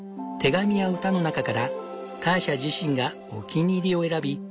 手紙や歌の中からターシャ自身がお気に入りを選び